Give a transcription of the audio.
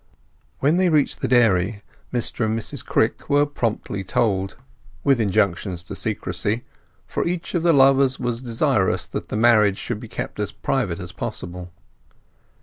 When they reached the dairy Mr and Mrs Crick were promptly told—with injunctions of secrecy; for each of the lovers was desirous that the marriage should be kept as private as possible.